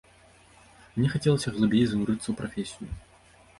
Мне хацелася глыбей занурыцца ў прафесію.